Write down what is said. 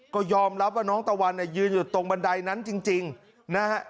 ก็ยอมรับว่าน้องตะวันเนี่ยยืนอยู่ตรงบันไดนั้นจริงนะฮะ